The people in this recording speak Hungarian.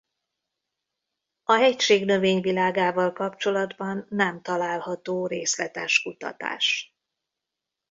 A hegység növényvilágával kapcsolatban nem található részletes kutatás.